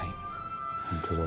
本当だ。